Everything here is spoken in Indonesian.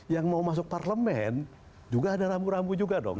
yang mau masuk parlemen juga ada rambu rambu juga dong